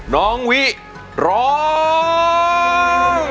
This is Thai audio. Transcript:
น้องวิร้อง